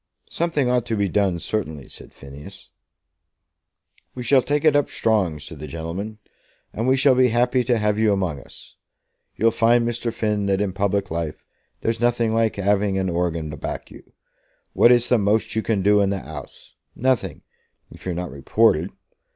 "Something ought to be done, certainly," said Phineas. "We shall take it up strong," said the gentleman, "and we shall be happy to have you among us. You'll find, Mr. Finn, that in public life there's nothing like having a horgan to back you. What is the most you can do in the 'Ouse? Nothing, if you're not reported.